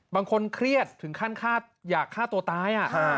บางคนเครียดค่าตัวตาย